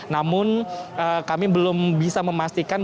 namun kami belum bisa memastikan